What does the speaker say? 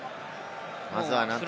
まずは何とか。